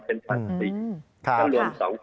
เป็น๑๐๐๐บาทถ้ารวม๒คน